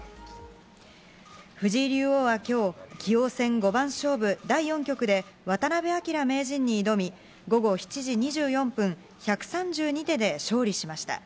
藤井竜王はきょう、棋王戦五番勝負第４局で、渡辺明名人に挑み、午後７時２４分、１３２手で勝利しました。